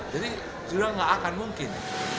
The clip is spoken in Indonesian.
jadi sudah nggak akan mungkin